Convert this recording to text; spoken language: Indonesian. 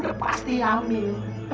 udah pasti hamil